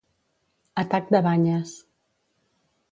Atac de banyes.